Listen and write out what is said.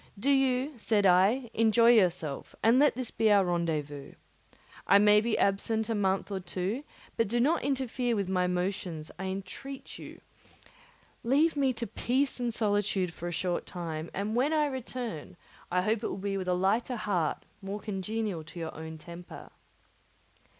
"Do you," said I, "enjoy yourself, and let this be our rendezvous. I may be absent a month or two; but do not interfere with my motions, I entreat you; leave me to peace and solitude for a short time; and when I return, I hope it will be with a lighter heart, more congenial to your own temper."